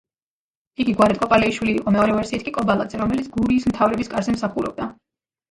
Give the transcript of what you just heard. იგი გვარად კოპალეიშვილი იყო, მეორე ვერსიით კი კობალაძე, რომელიც გურიის მთავრების კარზე მსახურობდა.